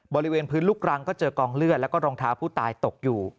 บริเวณพื้นลูกรังก็เจอกองเลือดแล้วก็รองเท้าผู้ตายตกอยู่